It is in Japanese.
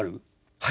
はい。